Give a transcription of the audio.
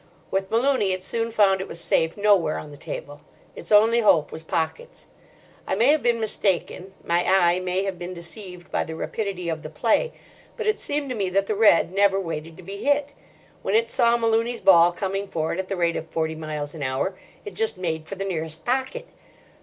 With Malooney it soon found it was safe nowhere on the table. Its only hope was pockets. I may have been mistaken, my eye may have been deceived by the rapidity of the play, but it seemed to me that the red never waited to be hit. When it saw Malooney's ball coming for it at the rate of forty miles an hour, it just made for the nearest pocket.